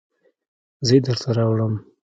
زه یې درته راوړم